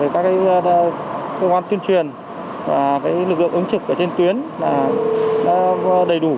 các công an tuyên truyền và lực lượng ứng trực trên tuyến đầy đủ